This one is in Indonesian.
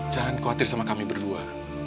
jangan khawatir sama kami berdua